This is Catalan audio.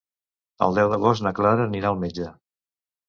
El deu d'agost na Clara anirà al metge.